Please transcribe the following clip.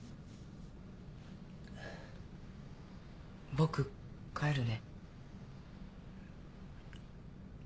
僕帰るね。